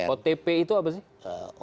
otp itu apa sih